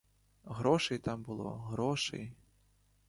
Грошей там було, грошей!